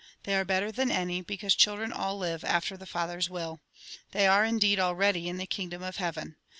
They are better than any, because children all live after the Father's will. They are, indeed, already in the kingdom of heaven.